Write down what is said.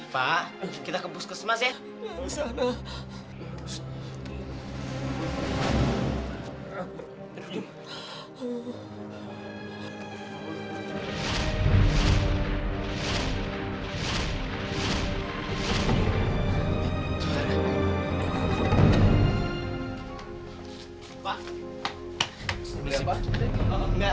pak kita ke puskesmas ya